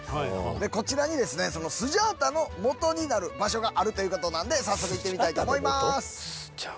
こちらにですねそのスジャータのモトになる場所があるということなんで早速行ってみたいと思います。